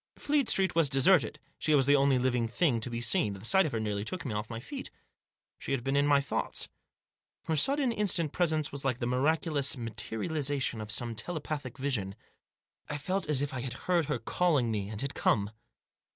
Fleet Street was deserted ; she was the only living thing to be seen ; the sight of her nearly took me off my feet. She had been in my thoughts. Her sudden, instant presence was like the miraculous materialisation of some telepathic vision. I felt as if I had heard her calling me, and had come.